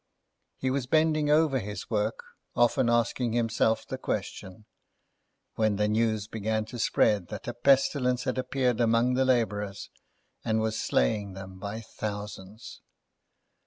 He was bending over his work, often asking himself the question, when the news began to spread that a pestilence had appeared among the labourers, and was slaying them by thousands.